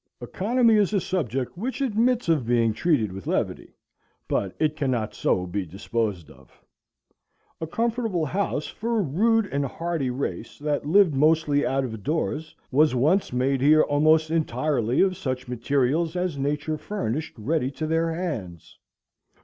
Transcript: Economy is a subject which admits of being treated with levity, but it cannot so be disposed of. A comfortable house for a rude and hardy race, that lived mostly out of doors, was once made here almost entirely of such materials as Nature furnished ready to their hands.